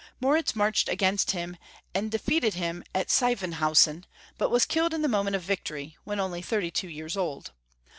Moritz marched against him, and defeated him at Sievenhausen< but was killed in the moment of vic tory, when only thirty two years old.